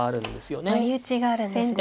割り打ちがあるんですね。